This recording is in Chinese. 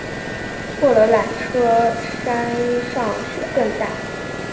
坐了缆车山上雪更大